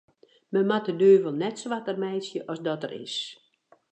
Men moat de duvel net swarter meitsje as dat er is.